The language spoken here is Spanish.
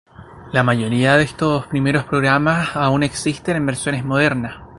La mayoría de estos primeros programas aún existen en versiones modernas.